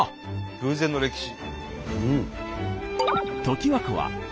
偶然の歴史。